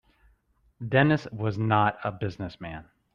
Dennis was not a business man.